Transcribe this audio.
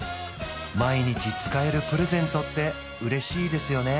毎日使えるプレゼントって嬉しいですよね